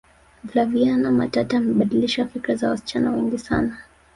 flaviana matata amebadilisha fikra za wasichana wengi sana